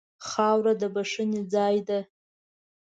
خاوره د بښنې ځای ده.